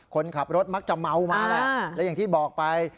คนขับรถมักจะเมามาแหละและอย่างที่บอกไป